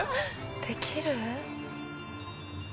できる？